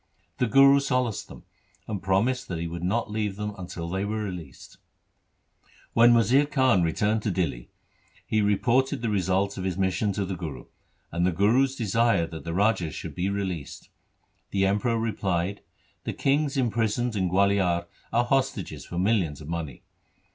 The Guru solaced them, and promised that he would not leave them until they were released. When Wazir Khan returned to Dihli, he reported the result of his mission to the Guru, and the Guru's desire that the rajas should be released. The Emperor replied, ' The kings imprisoned in Gualiar are hostages for millions of money.